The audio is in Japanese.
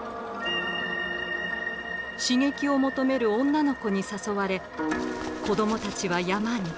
刺激を求める女の子に誘われ子どもたちは山に。